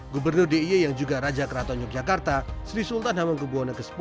gubernur d i e yang juga raja keraton yogyakarta sri sultan hamengkubwono x